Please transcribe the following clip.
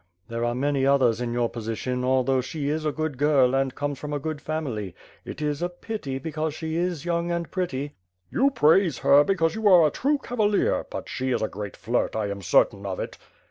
"There are many others in your position, although she is a good girl and comes from a good family. It is a pity be cause she is young and pretty." "You praise her because you are a true cavalier, but she is a great flirt, I am certain of it."